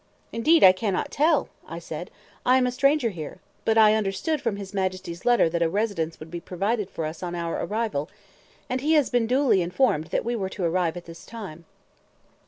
"Indeed I cannot tell," I said. "I am a stranger here. But I understood from his Majesty's letter that a residence would be provided for us on our arrival; and he has been duly informed that we were to arrive at this time."